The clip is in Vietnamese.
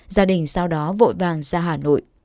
gia đình sau đó vội vàng ra hà nội